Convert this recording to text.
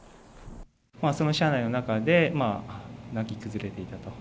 その車内の中で、泣き崩れていたと。